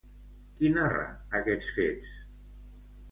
Qui narra aquests fets?